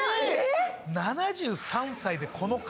７３歳でこの体？